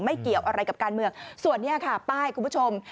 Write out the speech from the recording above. เกี่ยวอะไรกับการเมืองส่วนนี้ค่ะป้ายคุณผู้ชม